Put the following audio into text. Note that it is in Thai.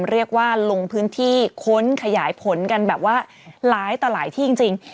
เรียกว่าลงพื้นที่ค้นขยายผลกันแบบว่าหลายต่อหลายที่จริง